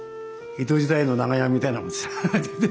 江戸時代の長屋みたいなものでした。